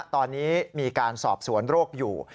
ตอนนี้มีการสอบสวนโรคอยู่